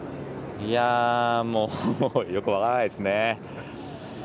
もうよく分からないですね。